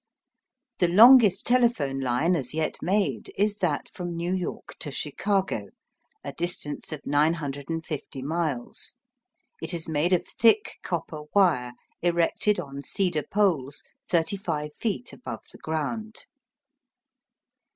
The longest telephone line as yet made is that from New York to Chicago, a distance of 950 miles. It is made of thick copper wire, erected on cedar poles 35 feet above the ground.